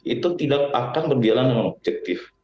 itu tidak akan berjalan dengan objektif